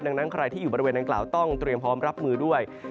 ดังนั้นใครที่อยู่บริเวณดังกล่าวต้องเตรียมพร้อมรับมือด้วย